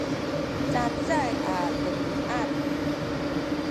cacay a demiad